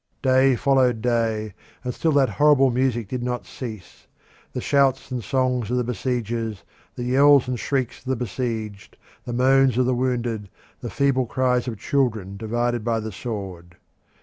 Day followed day, and still that horrible music did not cease the shouts and songs of the besiegers, the yells and shrieks of the besieged, the moans of the wounded, the feeble cries of children divided by the sword.